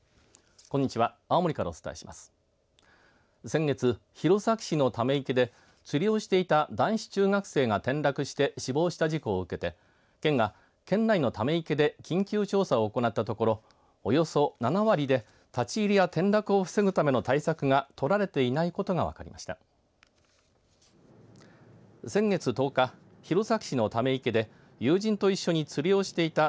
先月、弘前市のため池で釣りをしていた男子中学生が転落して死亡した事故を受けて県が県内のため池で緊急調査を行ったところおよそ７割で立ち入りや転落を防ぐための対策が取られていないことが分かりました。